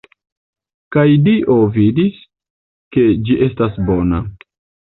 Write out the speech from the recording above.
Kaj Dio vidis, ke ĝi estas bona.